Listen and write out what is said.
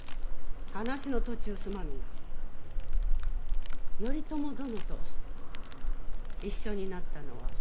話の途中すまぬが頼朝殿と一緒になったのは何年前ですか。